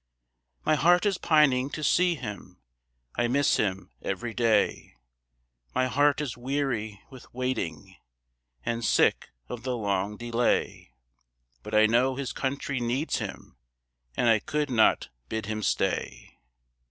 My heart is pining to see him; I miss him every day; My heart is weary with waiting, And sick of the long delay, But I know his country needs him, And I could not bid him stay.